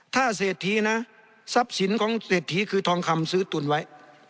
ถ้าเศรษฐีนะทรัพย์สินของเศรษฐีคือทองคำซื้อตุนไว้